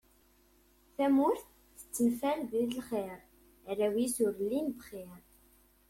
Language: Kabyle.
Tamurt tettenfal deg lxir, arraw-is ur llin bxir.